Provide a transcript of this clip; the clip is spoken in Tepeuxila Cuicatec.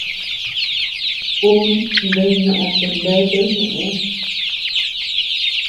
Un bea ñoʼö beanete ñeʼë.